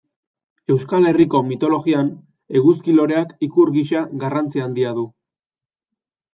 Euskal Herriko mitologian, eguzki-loreak ikur gisa garrantzi handia du.